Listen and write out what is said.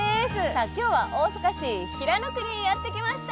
さあ今日は大阪市平野区にやって来ました！